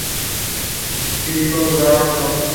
Disco glabro.